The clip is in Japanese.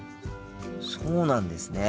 そうなんですね。